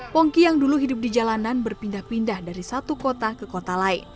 pongki yang dulu hidup di jalanan berpindah pindah dari satu kota ke kota lain